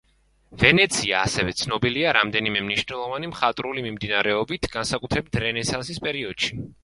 ვენეცია ასევე ცნობილია რამდენიმე მნიშვნელოვანი მხატვრული მიმდინარეობით, განსაკუთრებით რენესანსის პერიოდში.